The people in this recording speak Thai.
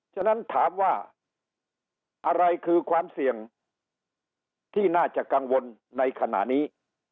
ฉะนั้นถามว่าอะไรคือความเสี่ยงที่น่าจะกังวลในขณะนี้